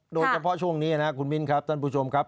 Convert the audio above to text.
โดยเฉพาะช่วงนี้นะครับคุณมิ้นครับท่านผู้ชมครับ